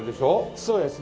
そうですね。